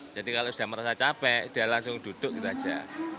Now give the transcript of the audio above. jadi kalau sudah merasa capek dia langsung duduk gitu aja